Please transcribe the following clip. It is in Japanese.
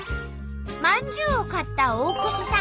まんじゅうを買った大越さん。